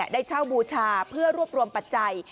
ได้เช่าบูชาเพื่อรวบรวมปัจจัย